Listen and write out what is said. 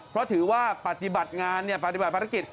เพราะถือว่าปฏิบัติงานปฏิบัติภารกิจ